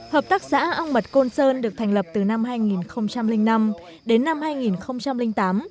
hợp tác xã ong mật côn sơn được thành lập từ năm hai nghìn năm đến năm hai nghìn tám